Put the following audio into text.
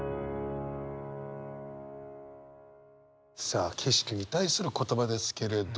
さあ景色に対する言葉ですけれど。